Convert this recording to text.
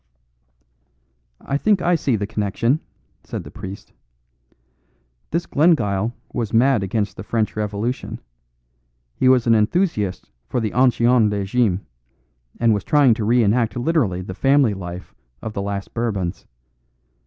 "I think I see the connection," said the priest. "This Glengyle was mad against the French Revolution. He was an enthusiast for the ancien regime, and was trying to re enact literally the family life of the last Bourbons.